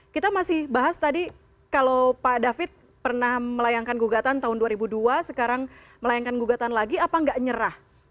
kita masih bahas tadi kalau pak david pernah melayangkan gugatan tahun dua ribu dua sekarang melayangkan gugatan lagi apa nggak nyerah